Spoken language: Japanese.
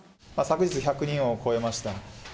昨日１００人を超えました。